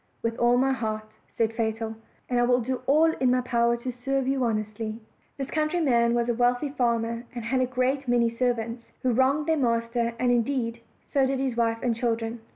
"With all my heart," said Fatal, "and I will do all in my power to serve you honestly." This countryman was a wealthy farmer, and had a great many servants, who wronged their master; and, indeed, so did his wife and children.